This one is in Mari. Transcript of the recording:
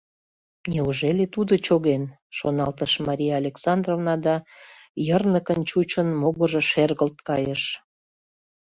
«Неужели тудо чоген?» — шоналтыш Мария Александровна, да, йырныкын чучын, могыржо шергылт кайыш.